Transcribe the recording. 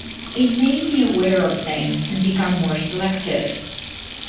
It made me aware of things and become more selective.